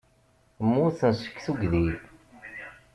Mmuten seg tuggdi.